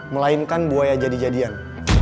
melainkan buaya jadi jadian